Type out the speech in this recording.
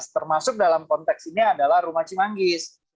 termasuk dalam konteks ini adalah rumah cimanggis